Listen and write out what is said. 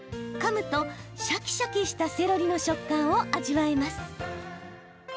かむとシャキシャキしたセロリの食感を味わえます。